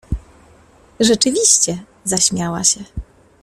— Rzeczywiście! — zaśmiała się.